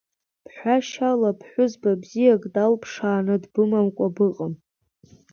Бҳәашьала ԥҳәызба бзиак далԥшааны дбымамкәаны быҟам.